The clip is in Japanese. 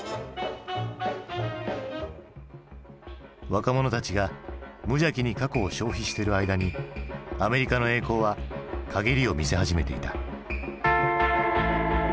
若者たちが無邪気に過去を消費してる間にアメリカの栄光は陰りを見せ始めていた。